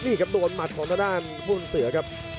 อีกครับโดนหมัดของทะดานผู้หญิงเสือครับ